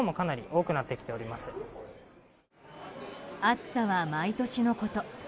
暑さは毎年のこと。